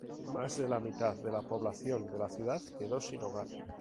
Más de la mitad de la población de la ciudad quedó sin hogar.